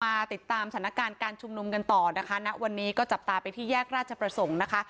มาติดตามสถานการณ์การชุมนุมกันต่อนะคะณวันนี้ก็จับตาไปที่แยกราชประสงค์นะคะ